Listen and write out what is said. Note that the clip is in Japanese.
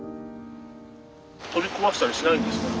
取り壊したりしないんですか？